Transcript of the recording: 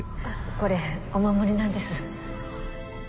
これお守りなんです